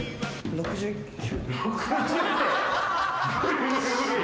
６９！？